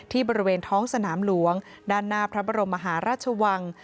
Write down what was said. บริเวณท้องสนามหลวงด้านหน้าพระบรมมหาราชวัง